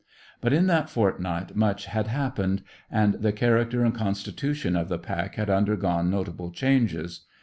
But in that fortnight much had happened, and the character and constitution of the pack had undergone notable changes.